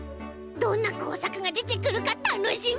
どんなこうさくがでてくるかたのしみ。